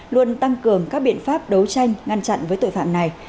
luôn tăng cường các biện pháp đấu tranh ngăn chặn với tội phạm này